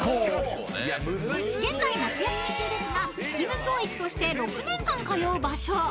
［現在夏休み中ですが義務教育として６年間通う場所］